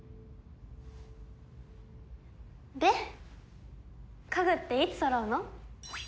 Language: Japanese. で家具っていつそろうの？